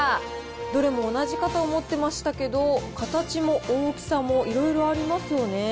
どれも同じかと思ってましたけど、形も大きさもいろいろありますよね。